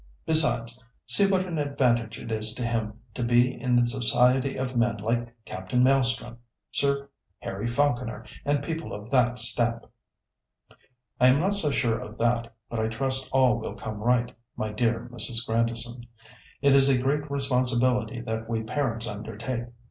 Besides, see what an advantage it is to him to be in the society of men like Captain Maelstrom, Sir Harry Falconer, and people of that stamp." "I am not so sure of that, but I trust all will come right, my dear Mrs. Grandison. It is a great responsibility that we parents undertake.